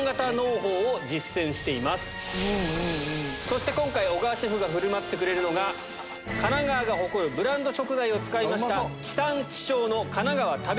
そして今回小川シェフが振る舞ってくれるのが神奈川が誇るブランド食材を使いました。